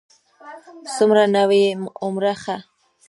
څومره نوی، هومره ښه.